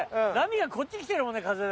がこっち来てるもんね風で。